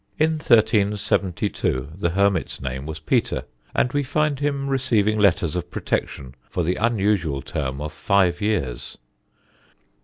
In 1372 the hermit's name was Peter, and we find him receiving letters of protection for the unusual term of five years.